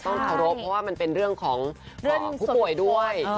ต้องขอโทษเพราะว่ามันเป็นเรื่องของผู้ป่วยด้วย